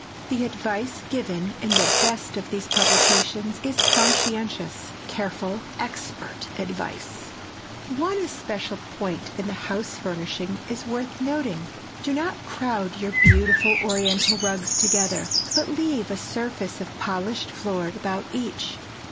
The advice given in the best of these publications is conscientious, careful, expert advice. One especial point in house furnishing is worth noting. Do not crowd your beautiful Oriental rugs together, but leave a surface of polished floor about each.